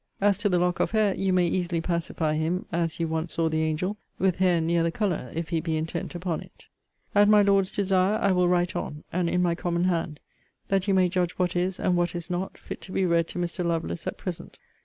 As to the lock of hair, you may easily pacify him, (as you once saw the angel,) with hair near the colour, if he be intent upon it. At my Lord's desire I will write on, and in my common hand; that you may judge what is, and what is not, fit to be read to Mr. Lovelace at present.